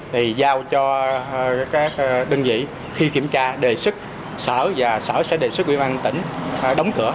thì giao cho các đơn vị khi kiểm tra đề xuất sở và sở sẽ đề xuất quỹ ban tỉnh đóng cửa